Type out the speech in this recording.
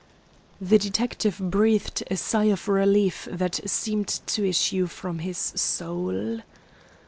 The detective breathed a sigh of relief that seemed to issue from his soul.